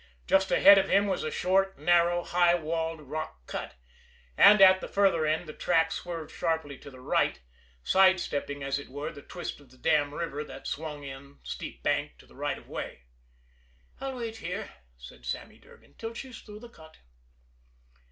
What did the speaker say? Just ahead of him was a short, narrow, high walled rock cut, and at the farther end the track swerved sharply to the right, side stepping, as it were, the twist of the Dam River that swung in, steep banked, to the right of way. "I'll wait here," said Sammy Durgan, "'till she's through the cut."